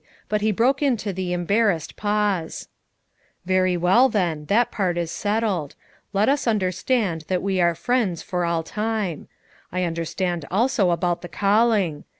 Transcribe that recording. But he broke into the embarrassed pause. "Very well then, that part is settled; let FOUB MOTHERS AT CHAUTAUQUA 171 us understand that we are friends for all time. I understand also about the ealling.